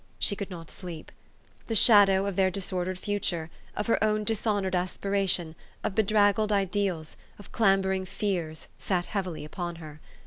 She could not sleep. The shadow of their disordered future, of her own dishonored aspiration, of bedraggled ideals, of clambering fears, sat heavily upon her.